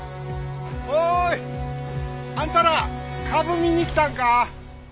おーい！あんたらかぶ見に来たんか？